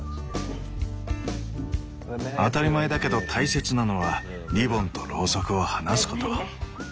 当たり前だけど大切なのはリボンとロウソクを離すこと。